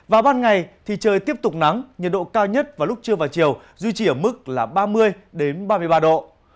và ban ngày thì trời tiếp tục nắng nhiệt độ cao nhất vào lúc trưa và chiều duy trì ở mức là ba mươi ba mươi ba độ